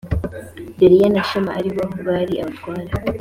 Beriya na Shema ari bo bari abatware